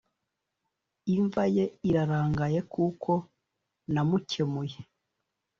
imvaye irarangaye kuko namukemuye."